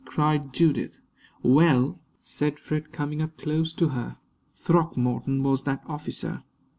cried Judith. "Well," said Freke, coming up close to her, "Throckmorton was that officer!"